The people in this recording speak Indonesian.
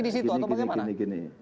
di situ atau bagaimana